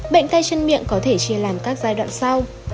bệnh tay chân miệng có thể chia làm các giai đoạn sau